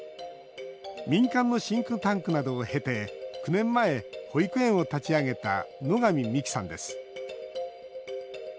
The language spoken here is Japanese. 民間のシンクタンクなどを経て９年前、保育園を立ち上げた野上美希さんです。